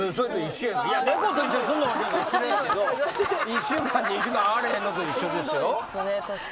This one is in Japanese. ２週間に１度会われへんのと一緒ですよ。